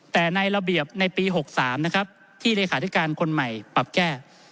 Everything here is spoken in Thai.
แต่ในระเบียบในปี๖๓นะครับที่เลขาธิการคนใหม่ปรับแก้